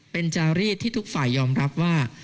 เป็นจารีสที่ทุกฝ่ายยอมรับว่า